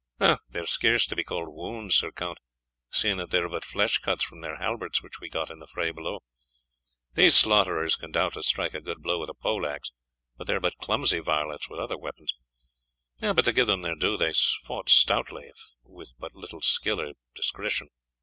"They are scarce to be called wounds, Sir Count, seeing that they are but flesh cuts from their halberts which we got in the fray below. These slaughterers can doubtless strike a good blow with a pole axe, but they are but clumsy varlets with other weapons. But to give them their due, they fought stoutly if with but little skill or discretion."